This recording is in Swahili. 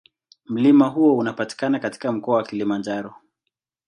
Mlima huo unapatikana katika Mkoa wa Kilimanjaro.